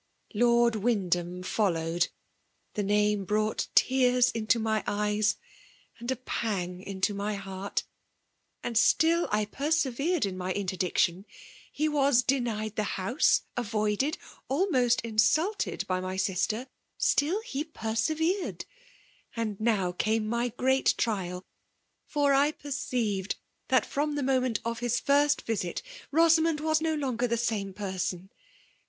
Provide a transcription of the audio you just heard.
LardWynd Aam fe&owed — (the name brought teara into my eyes and a pang into my heart I) — and still I persevered in my interdiction. He was denied die house, — avoided, — ahnost insulted by my sister ; stiU, he persevered. And now came my gveat trial ; &r« I perceived that, from the moment of his first vittt, Bosamond waa no longer the same person.